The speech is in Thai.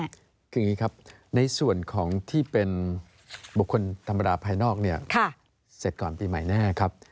คืออย่างนี้ครับในส่วนของที่เป็นบุคคลธรรมดาภายนอกเนี่ยเสร็จก่อนปีใหม่แน่ครับ